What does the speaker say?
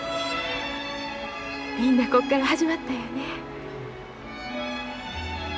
みんなここから始まったんやね。